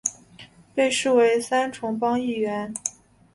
被视为三重帮一员。